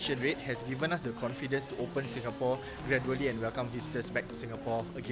sejak saat pemerintah tniw menunjukkan rencana untuk hidup dengan covid sembilan belas sebagai pandemi ini selalu menjadi rencana